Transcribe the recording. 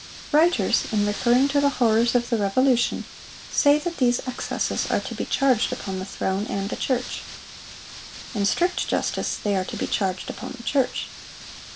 Writers, in referring to the horrors of the Revolution, say that these excesses are to be charged upon the throne and the church.(408) In strict justice they are to be charged upon the church.